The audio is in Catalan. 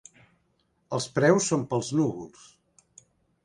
Els preus són pels núvols.